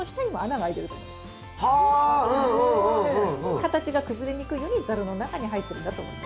形が崩れにくいようにザルの中に入ってるんだと思います。